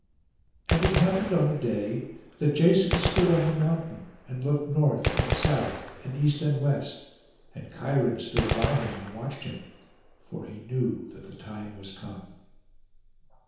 And it happened on a day that Jason stood on the mountain, and looked north and south and east and west; and Cheiron stood by him and watched him, for he knew that the time was come.